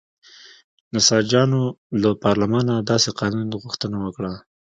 نساجانو له پارلمانه داسې قانون غوښتنه وکړه.